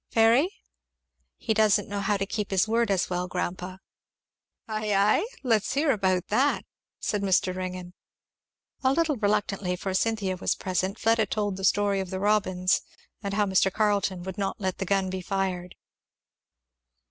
Fairy?" "He doesn't know how to keep his word as well, grandpa." "Ay, ay? let's hear about that," said Mr. Ringgan. A little reluctantly, for Cynthia was present, Fleda told the story of the robins, and how Mr. Carleton would not let the gun be fired.